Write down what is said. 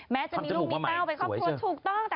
แม้จะมีลูกมีเต้าไปข้อมูลถูกต้อง